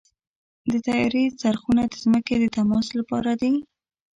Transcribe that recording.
د طیارې څرخونه د ځمکې د تماس لپاره دي.